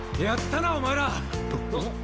やったなお前ら！